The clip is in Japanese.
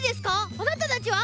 あなたたちは！？